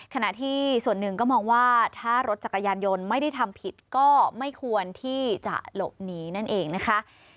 ขณะที่ส่วนหนึ่งก็มองว่าถ้ารถจักรยานยนต์ไม่ได้ทำผิดก็ไม่ควรที่จะหลบหนีนั่นเองนะคะ